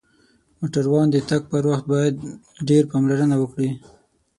موټروانان د تک پر وخت باید ډیر پاملرنه وکړی